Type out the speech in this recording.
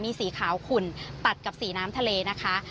มีสีขาวขุ่นตัดกับสีน้ำทะเลนะคะ